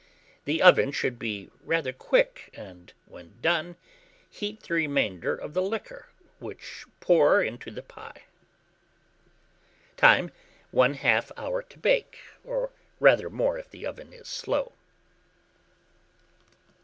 The oven should be rather quick, and when done, heat the remainder of the liquor, which pour into the pie. Time. 1/2 hour to bake, or rather more if the oven is slow.